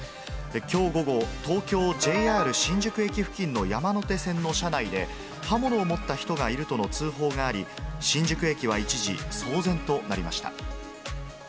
きょう午後、東京・ＪＲ新宿駅付近の山手線の車内で、刃物を持った人がいるとの通報があり、新宿駅は一時、騒然となりました。